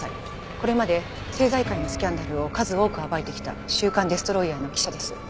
これまで政財界のスキャンダルを数多く暴いてきた『週刊デストロイヤー』の記者です。